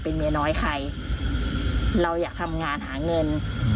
เมียน้อยใครเราอยากทำงานหาเงิน